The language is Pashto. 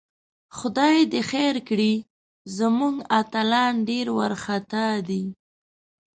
خدای دې خیر کړي، زموږ اتلان ډېر وارخطاء دي